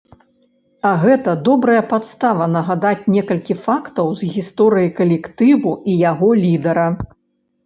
А гэта добрая падстава нагадаць некалькі фактаў з гісторыі калектыву і яго лідара.